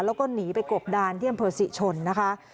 แล้วก็หนีไปกบดานที่อำเภอศรีชนนะคะ